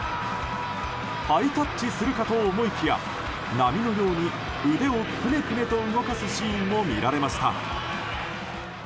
ハイタッチするかと思いきや波のように腕をくねくねと動かすシーンも見られました。